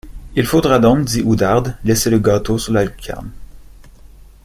Il faudra donc, dit Oudarde, laisser le gâteau sur la lucarne.